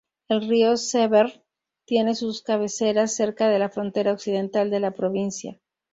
El río Severn tiene sus cabeceras cerca de la frontera occidental de la provincia.